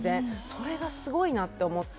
それがすごいなって思って。